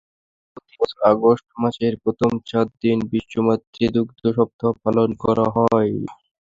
প্রতিবছর আগস্ট মাসের প্রথম সাত দিন বিশ্ব মাতৃদুগ্ধ সপ্তাহ পালন করা হয়।